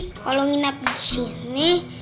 kalau nginep disini